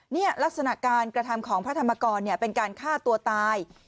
นี่ลักษณะการกระทำของพระธรรมกรเป็นการฆ่าตัวตาย